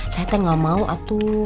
saya tak mau atu